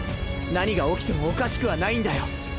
何が起きてもおかしくはないんだよ。